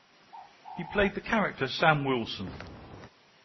He played the character Sam Wilson.